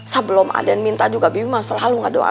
sebelum aden minta juga bibi mah selalu ngedoain aden